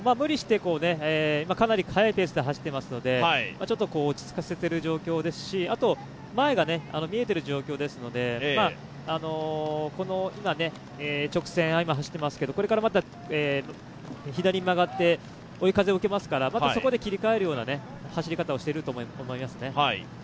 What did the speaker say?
かなり速いペースで走っていますので、落ち着かせている状況ですし、前が見えている状況ですので、直線を今、走っていますけど、左に曲がって、追い風を受けますからまたそこで切り替えるような走り方をしていると思いますね。